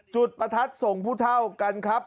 ประทัดส่งผู้เท่ากันครับ